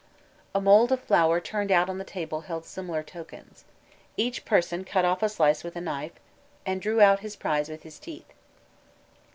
A mould of flour turned out on the table held similar tokens. Each person cut off a slice with a knife, and drew out his prize with his teeth.